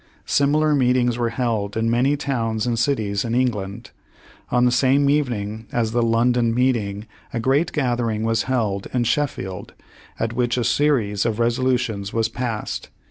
Similar meetings were held in many towns and cities in England. On the same evening as the London Page One Hundred twenty eight meeting a great gathering was held in Sheffield, at which a series of resolutions was passed.